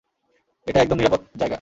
এটা একদম নিরাপদ জায়গা।